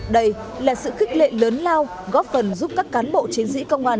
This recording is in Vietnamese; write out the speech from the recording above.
đây là sự khích lệ lớn lao góp phần giúp các cán bộ chiến sĩ công an